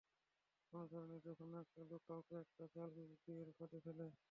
কোন ধরনের জঘন্য একটা লোক কাউকে একটা জাল বিয়ের ফাঁদে ফেলে?